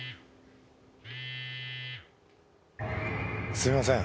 すいません。